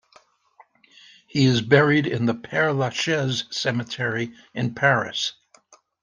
He is buried in the Père-Lachaise Cemetery in Paris.